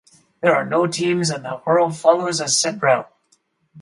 There are no teams and the hurl follows a set route.